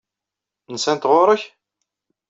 Nsant ɣur-k?